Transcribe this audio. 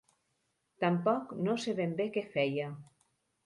Tampoc no sé ben bé què feia.